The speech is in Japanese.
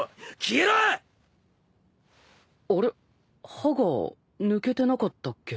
歯が抜けてなかったっけ。